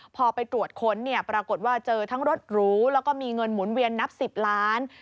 พอไปตรวจค้นเนี่ยปรากฏว่าเจอทั้งรถหรูแล้วก็มีเงินหมุนเวียนนับ๑๐ล้าน